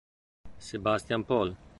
Sebastián Pol